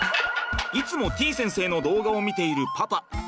いつもてぃ先生の動画を見ているパパ。